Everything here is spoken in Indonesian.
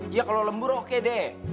iya kalo lembur oke deh